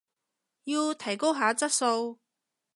要提高下質素